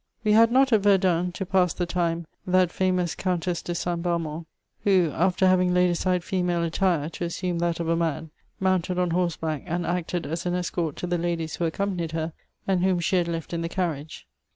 We had not at Verdun, to pass the time, '^ that famoos Countess de St. Balmont, who, aftber having laid aside female attire to assume that of a man, mounted on horseback, and acted as an escort to the ladies who accompanied her, and whom she had left in the carriage.''